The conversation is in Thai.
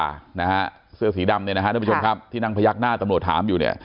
ภรรยาเสื้อสีดำที่นางพระยักษ์หน้าตำรวจถามอยู่